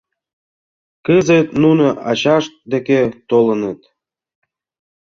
Кызыт нуно ачашт деке толыныт.